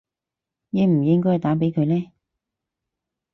應唔應該打畀佢呢